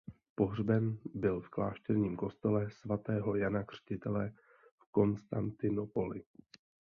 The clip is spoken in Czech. Pohřben byl v klášterním kostele svatého Jana Křtitele v Konstantinopoli.